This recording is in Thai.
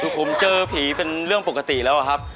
ทุกคนก็เจอผีเป็นเรื่องปกติแล้วอะครับ